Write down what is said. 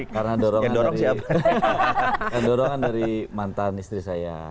karena dorongan dari mantan istri saya